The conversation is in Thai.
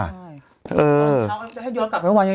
ตอนเช้าให้โยนกลับไปวัน